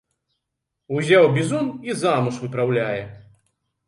Узяў бізун і замуж выпраўляе.